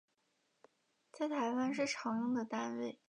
在台湾是常用的单位